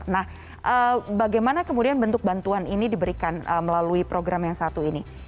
nah bagaimana kemudian bentuk bantuan ini diberikan melalui program yang satu ini